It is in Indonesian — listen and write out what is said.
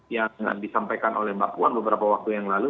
yang disampaikan oleh mbak puan beberapa waktu yang lalu